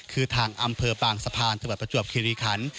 คือทางอำเภอปางสะพานตรวจประจวบคิริขัน